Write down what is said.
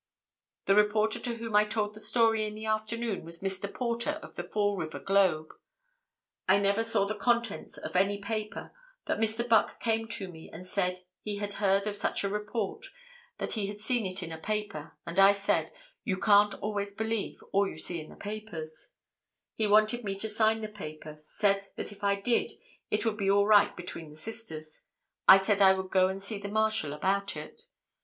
The reporter to whom I told the story in the afternoon was Mr. Porter of the Fall River Globe; I never saw the contents of any paper, but Mr. Buck came to me and said he had heard of such a report, that he had seen it in a paper, and I said, 'You can't always believe all you see in the papers;' he wanted me to sign the paper; said that if I did it would be all right between the sisters; I said I would go and see the marshal about it.